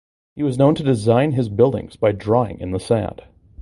He was known to design his buildings by drawing in the sand.